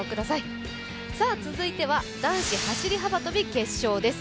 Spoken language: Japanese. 続いては、男子走幅跳決勝です。